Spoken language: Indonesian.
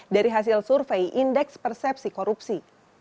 dari hasil survei indeks persepsi korupsi